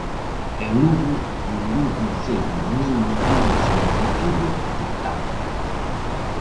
E en Lugo, ningún concello nin ningunha solicitude aceptada.